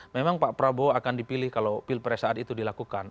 memang pak prabowo akan dipilih kalau pilpres saat itu dilakukan